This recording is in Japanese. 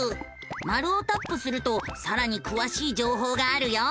マルをタップするとさらにくわしい情報があるよ。